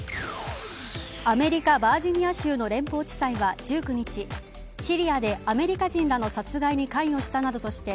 アメリカ・バージニア州の連邦地裁は１９日シリアでアメリカ人らの殺害に関与したなどとして